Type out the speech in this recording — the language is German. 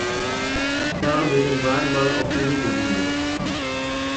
Fahren Sie den Wagen mal auf die Hebebühne!